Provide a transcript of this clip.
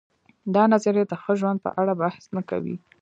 دا نظریه د ښه ژوند په اړه بحث نه کوي.